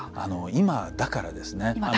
今だからですね。